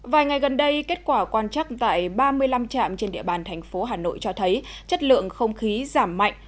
vài ngày gần đây kết quả quan trắc tại ba mươi năm trạm trên địa bàn thành phố hà nội cho thấy chất lượng không khí giảm mạnh